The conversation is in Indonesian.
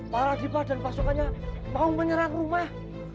para dibandang masukannya mau menyerang rumah